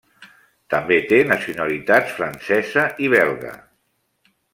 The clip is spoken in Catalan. També té nacionalitats francesa i belga.